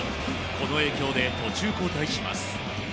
この影響で途中交代します。